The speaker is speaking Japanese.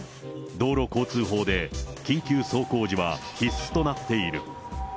道路交通法で緊急走行時は必須となっている。